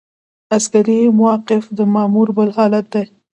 عسکري موقف د مامور بل حالت دی.